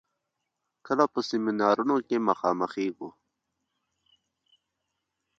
کله په سيمينارونو کې مخامخېږو.